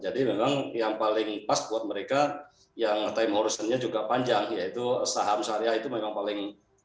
jadi memang yang paling pas buat mereka yang time horizon nya juga panjang yaitu saham syariah itu memang paling diminati mas aldi